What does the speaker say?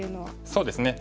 そうですね。